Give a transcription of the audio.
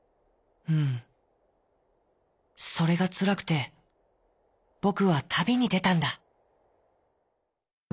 「うんそれがつらくてぼくはたびにでたんだ」。